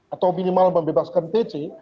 atau minimal membebaskan tc